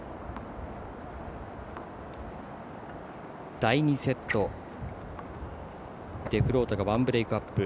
第２セット、デフロートが１ブレークアップ。